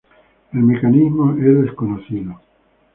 El mecanismo es desconocido.